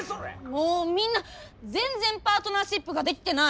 もうみんな全然パートナーシップができてない！